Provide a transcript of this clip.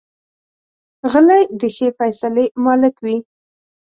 غلی، د ښې فیصلې مالک وي.